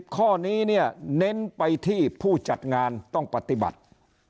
ข้อนี้เนี่ยเน้นไปที่ผู้จัดงานต้องปฏิบัติ